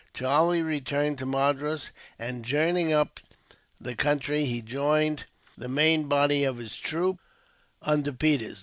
Charlie returned to Madras, and journeying up the country he joined the main body of his troop, under Peters.